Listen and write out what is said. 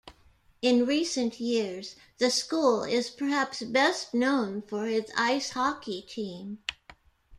In recent years, the school is perhaps best known for its Ice Hockey team.